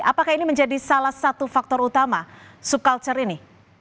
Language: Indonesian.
apakah ini menjadi salah satu faktor utama sub culture ini